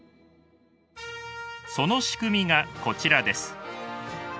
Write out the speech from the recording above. その仕組みがこちらです。